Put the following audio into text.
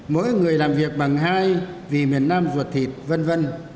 mỗi người làm việc bằng hai vì miền nam ruột thịt v v